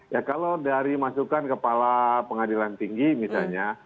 ya kalau dari masukan kepala pengadilan tinggi misalnya